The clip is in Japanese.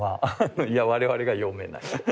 いや我々が読めない。